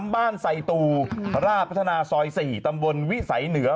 บ้านไซตูราชพัฒนาซอย๔ตำบลวิสัยเหนือ